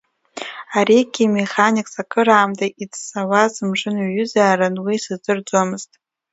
Аригьы механикс акыраамҭа иӡсауаз мшынуаҩызаарын, уи сыздырӡомызт.